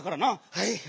はい！